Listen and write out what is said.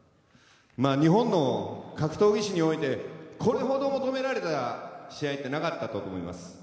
日本の格闘技史においてこれほど求められた試合ってなかったと思います。